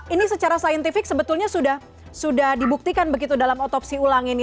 ini secara saintifik sebetulnya sudah dibuktikan begitu dalam otopsi ulang ini